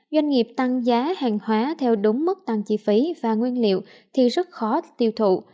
doanh nghiệp tăng giá hàng hóa theo đúng mức tăng chi phí và nguyên liệu thì rất khó tiêu thụ